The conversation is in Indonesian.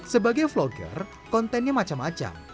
sebagai vlogger kontennya macam macam